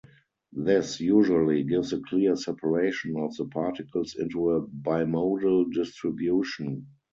This usually gives a clear separation of the particles into a bimodal distribution.